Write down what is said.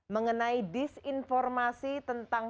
mengenai disinformasi tentang